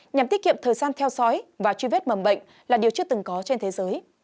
nhằm tiết kiệm thời gian theo dõi và truy vết mầm bệnh là điều chưa từng có trên thế giới